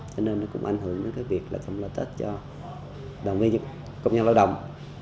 cho nên nó cũng ảnh hưởng đến việc chăm lo tết cho công nhân lao động